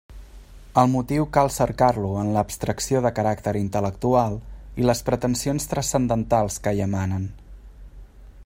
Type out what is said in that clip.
El motiu cal cercar-lo en l'abstracció de caràcter intel·lectual i les pretensions transcendentals que hi emanen.